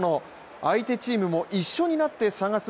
相手チームも一緒になって探す